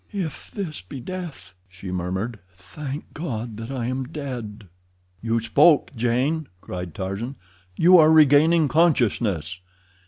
"If this be death," she murmured, "thank God that I am dead." "You spoke, Jane!" cried Tarzan. "You are regaining consciousness!"